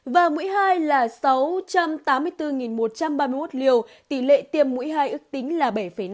và mũi hai là sáu trăm tám mươi bốn một trăm ba mươi một liều tỷ lệ tiêm mũi hai ước tính là bảy năm